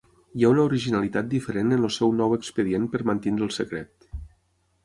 Hi ha una originalitat diferent en el seu nou expedient per mantenir el secret.